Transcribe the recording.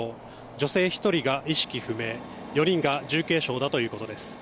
女性１人が意識不明４人が重軽傷だということです